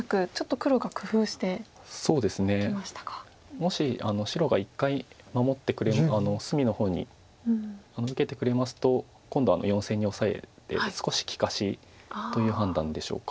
もし白が１回隅の方に受けてくれますと今度は４線にオサえて少し利かしという判断でしょうか。